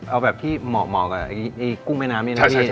เอาแบบที่เหมาะกับกุ้งแม่น้ำนี่นะพี่